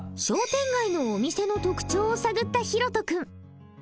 商店街のお店の特徴を探ったひろと君。